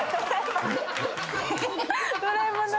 ドラえもん。